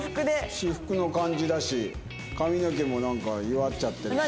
私服の感じだし髪の毛もなんか結わっちゃってるし。